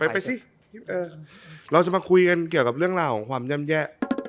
ไปสิเราจะมาคุยกันเกี่ยวกับเรื่องราวของความย่ำแย่